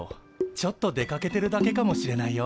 ちょっと出かけてるだけかもしれないよ。